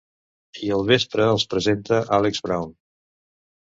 I al vespre els presenta Alex Brown.